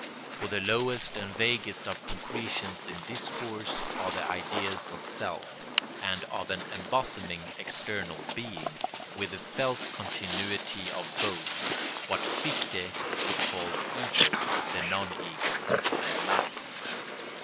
For the lowest and vaguest of concretions in discourse are the ideas of self and of an embosoming external being, with the felt continuity of both; what Fichte would call the Ego, the Non Ego, and Life.